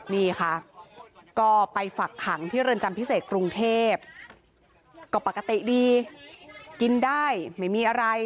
นี่ค่ะก็ไปฝักขังที่เรือนจำพิเศษกรุงเทพก็ปกติดีกินได้ไม่มีอะไร